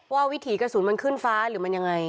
วิถีกระสุนมันขึ้นฟ้าหรือมันยังไง